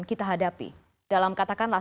kita hadapi dalam katakanlah